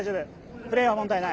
プレー問題ない。